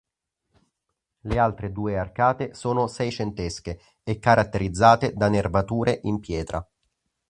Le altre due arcate sono seicentesche e caratterizzate da nervature in pietra.